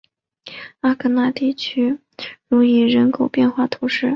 阿戈讷地区茹伊人口变化图示